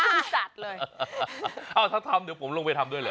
จัดเลยอ้าวถ้าทำเดี๋ยวผมลงไปทำด้วยเหรอ